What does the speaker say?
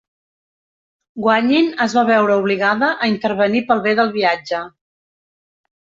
Guanyin es va veure obligada a intervenir pel bé del viatge.